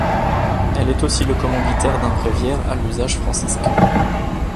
Elle est aussi le commanditaire d'un bréviaire à l'usage franciscain.